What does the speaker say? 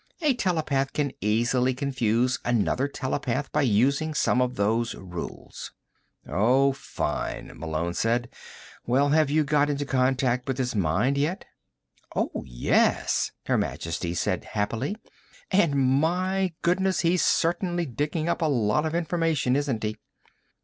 A telepath can easily confuse another telepath by using some of those rules." "Oh, fine," Malone said. "Well, have you got into contact with his mind yet?" "Oh, yes," Her Majesty said happily. "And my goodness, he's certainly digging up a lot of information, isn't he?"